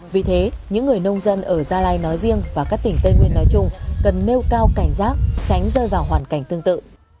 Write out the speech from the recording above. vì thế những người nông dân ở gia lai nói riêng và các tỉnh tây nguyên nói chung cần nêu cao cảnh giác tránh rơi vào hoàn cảnh tương tự